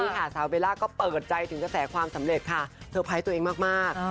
การนี้สาวเวลาก็เปิดใจถึงจะแสดงความสำเร็จค่ะ